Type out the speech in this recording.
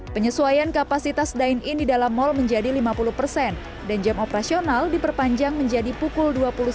penyesuaian kapasitas dine in di dalam mal menjadi lima puluh persen dan jam operasional diperpanjang menjadi pukul dua puluh satu